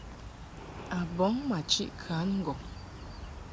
A bɔŋ ma chiʼ kan ŋgɔŋ.